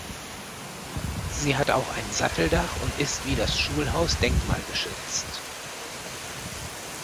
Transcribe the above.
Sie hat auch ein Satteldach und ist wie das Schulhaus denkmalgeschützt.